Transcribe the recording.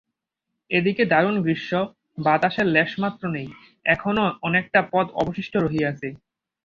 এদিকে দারুণ গ্রীষ্ম, বাতাসের লেশ মাত্র নাই, এখনাে অনেকটা পথ অবশিষ্ট রহিয়াছে।